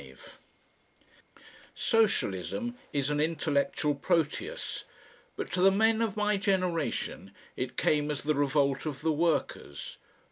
5 Socialism is an intellectual Proteus, but to the men of my generation it came as the revolt of the workers.